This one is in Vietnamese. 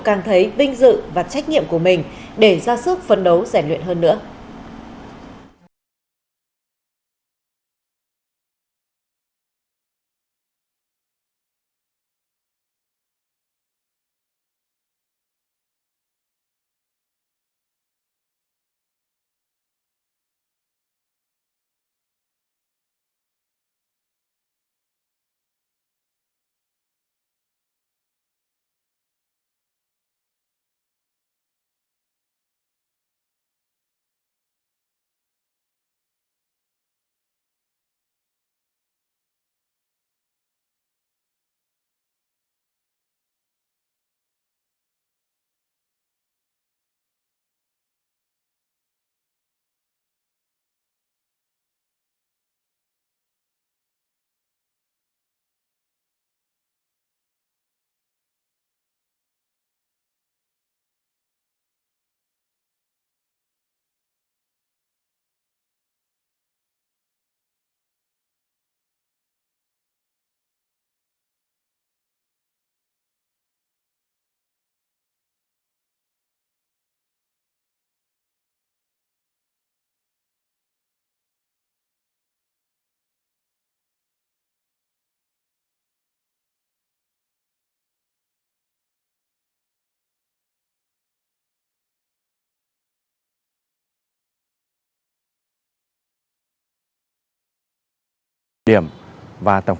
càng thấy binh dự và trách nhiệm của mình để ra sức phấn đấu rẻ luyện hơn nữa